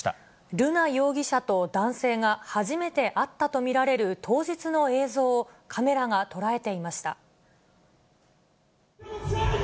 瑠奈容疑者と男性が初めて会ったと見られる当日の映像を、カメラが捉えていました。